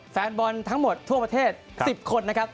แฟนบอลทั้งหมดทั่วประเทศ๑๐คนนะครับ